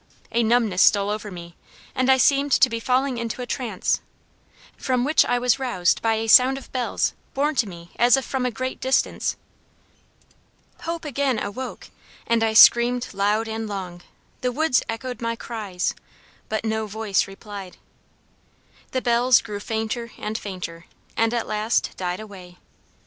A numbness, stole over me, and I seemed to be falling into a trance, from which I was roused by a sound of bells borne to me as if from a great distance. Hope again awoke, and I screamed loud and long; the woods echoed my cries, but no voice replied. The bells grew fainter and fainter, and at last died away.